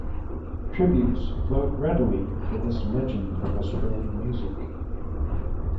Tributes flowed readily for this legend of Australian music.